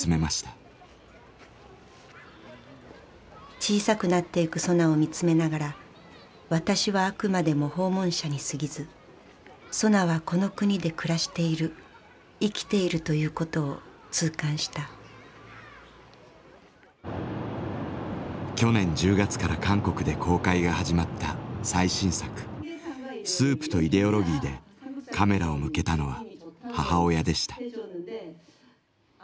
小さくなってゆくソナを見つめながら私はあくまでも訪問者にすぎずソナはこの国で暮らしている生きているということを痛感した去年１０月から韓国で公開が始まった最新作「スープとイデオロギー」でカメラを向けたのは母親でした。